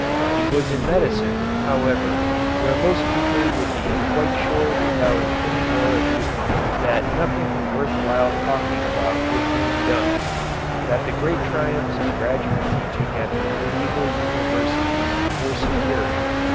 It was in medicine, however, where most people would be quite sure without any more ado that nothing worth while talking about was being done, that the great triumphs of graduate teaching at the medieval universities were secured.